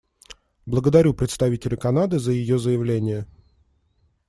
Благодарю представителя Канады за ее заявление.